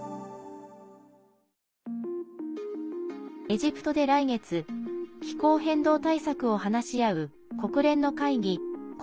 エジプトで来月気候変動対策を話し合う国連の会議